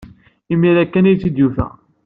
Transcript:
Imir-a kan ay tt-id-tufa.